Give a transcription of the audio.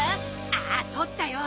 ああ撮ったよ。